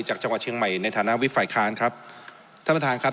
จากจังหวัดเชียงใหม่ในฐานะวิทย์ฝ่ายค้านครับท่านประธานครับ